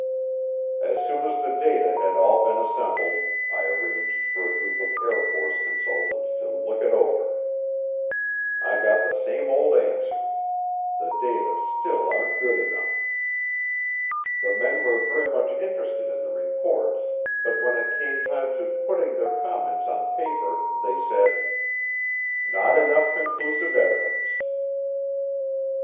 As soon as the data had all been assembled, I arranged for a group of Air Force consultants to look it over. I got the same old answer the data still aren't good enough. The men were very much interested in the reports, but when it came time to putting their comments on paper they said, "Not enough conclusive evidence."